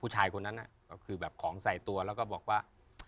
ผู้ชายคนนั้นก็คือแบบของใส่ตัวแล้วก็บอกว่า